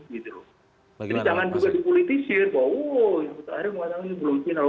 jadi jangan juga politisir bahwa isbuta harim mengatakan ini belum final